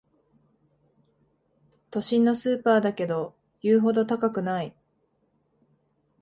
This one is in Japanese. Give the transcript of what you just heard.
都心のスーパーだけど言うほど高くない